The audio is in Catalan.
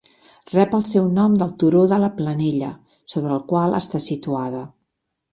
Rep el seu nom del turó de la Planella, sobre el qual està situada.